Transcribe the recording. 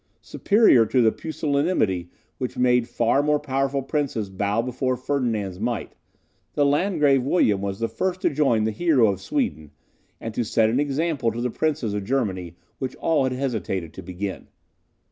Superior to that pusillanimity which made far more powerful princes bow before Ferdinand's might, the Landgrave William was the first to join the hero of Sweden, and to set an example to the princes of Germany which all had hesitated to begin.